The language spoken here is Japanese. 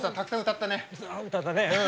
歌ったね。